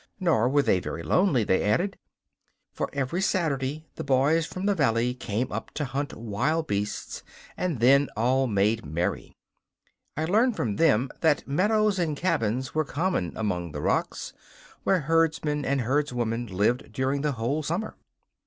Nor were they very lonely, they added, for every Saturday the boys from the valley came up to hunt wild beasts, and then all made merry. I learned from them that meadows and cabins were common among the rocks, where herdsmen and herdswomen lived during the whole summer.